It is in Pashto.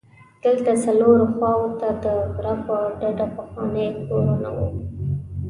دلته څلورو خواوو ته د غره په ډډه پخواني کورونه وو.